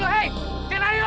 hei kenapa lari lo